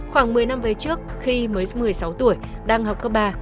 khoảng một mươi năm về trước khi mới một mươi sáu tuổi đang học cấp ba